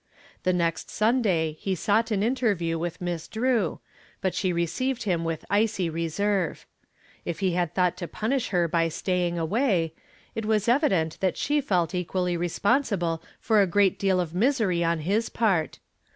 The next Sunday he sought an interview with Miss Drew, but she received him with icy reserve. If he had thought to punish her by staying away, it was evident that she felt equally responsible for a great deal of misery on his part.